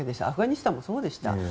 アフガニスタンもそうでした。